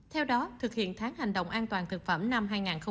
theo đó thực hiện tháng hành động an toàn thực phẩm năm hai nghìn hai mươi